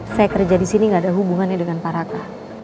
saya kerja disini gak ada hubungannya dengan pak raka